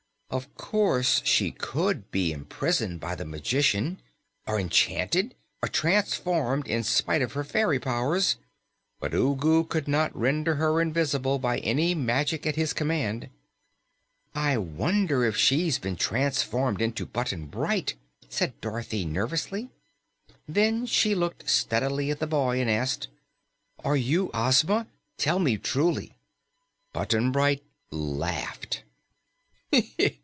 Of course, she could be imprisoned by the magician or enchanted or transformed, in spite of her fairy powers, but Ugu could not render her invisible by any magic at his command." "I wonder if she's been transformed into Button Bright?" said Dorothy nervously. Then she looked steadily at the boy and asked, "Are you Ozma? Tell me truly!" Button Bright laughed.